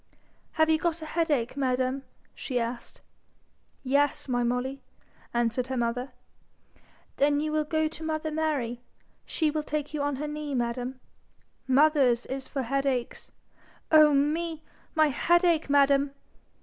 'Have you got a headache, madam?' she asked. 'Yes, my Molly,' answered her mother. 'Then you will go to mother Mary. She will take you on her knee, madam. Mothers is for headaches. Oh me! my headache, madam!'